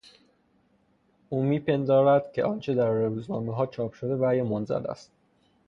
او میپندارد که آنچه در روزنامهها چاپ شده وحی منزل است.